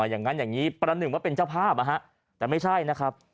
อย่างนั้นอย่างนี้ประหนึ่งว่าเป็นเจ้าภาพแต่ไม่ใช่นะครับ